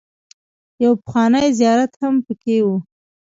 يو پخوانی زيارت هم پکې و.